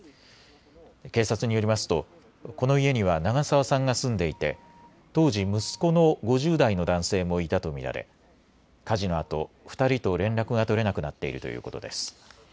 警察によりますとこの家には長澤さんが住んでいて当時、息子の５０代の男性もいたと見られ火事のあと２人と連絡が取れなくなっているということです。